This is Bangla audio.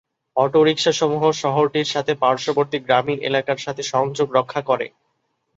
অটো-রিক্সাসমূহ শহরটির সাথে পার্শ্ববর্তী গ্রামীণ এলাকার সাথে সংযোগ রক্ষা করে।